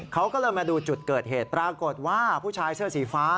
เขาก็เลยมาดูจุดเกิดเหตุปรากฏว่าผู้ชายเสื้อสีฟ้า